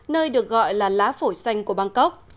nơi được gọi là lá phổi xanh của bangkok